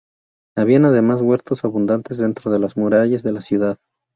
Había además huertos abundantes dentro de las murallas de la ciudad.